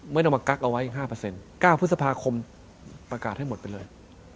ไม่ต้องมากักเอาไว้๕๙พฤษภาคมประกาศให้หมดไปเลย